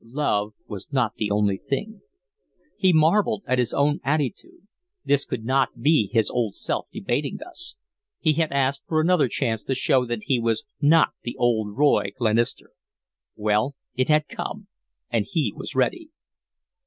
Love was not the only thing. He marvelled at his own attitude; this could not be his old self debating thus. He had asked for another chance to show that he was not the old Roy Glenister; well, it had come, and he was ready.